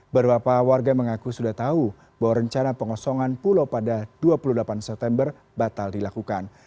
beberapa warga mengaku sudah tahu bahwa rencana pengosongan pulau pada dua puluh delapan september batal dilakukan